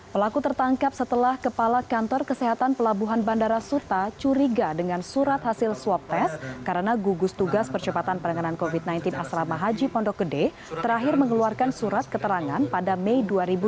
pelaku tertangkap setelah kepala kantor kesehatan pelabuhan bandara suta curiga dengan surat hasil swab test karena gugus tugas percepatan penanganan covid sembilan belas asrama haji pondok gede terakhir mengeluarkan surat keterangan pada mei dua ribu dua puluh